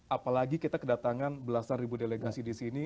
apalagi kita kedatangan belasan ribu delegasi disini